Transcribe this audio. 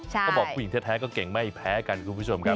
พวกผู้หญิงแท้ก็เก่งไม่แพ้กันคุณผู้ชมกัน